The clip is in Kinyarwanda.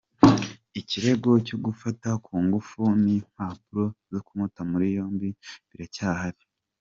Ikirego cyo gufata ku ngufu n’impapuro zo kumuta muri yombi biracyahari.